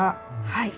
はい。